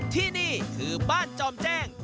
ที่นี่คือบ้านจอมแจ้ง